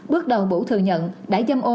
bước đầu bủ thừa nhận đã dâm ô